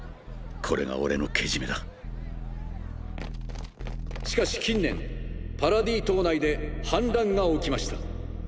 これが俺のけじめだしかし近年パラディ島内で反乱が起きました。